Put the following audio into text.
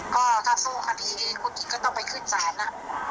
ก็ถ้าสู้ค่ะที่คุณหญิงก็ต้องไปขึ้นสารนะ